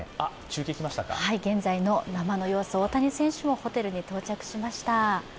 現在の生の様子、大谷選手もホテルに到着しました。